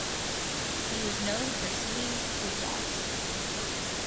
He was known for singing Ghazals.